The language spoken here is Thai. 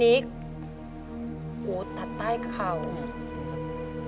อันนี้โหตัดใต้เคราะห์